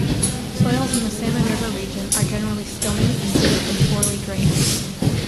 Soils in the Salmon River region are generally stony, acidic, and poorly drained.